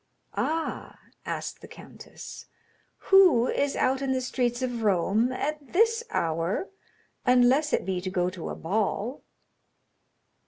"Ah," asked the countess, "who is out in the streets of Rome at this hour, unless it be to go to a ball?"